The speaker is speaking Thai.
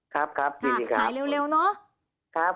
ครับครับยินดีครับ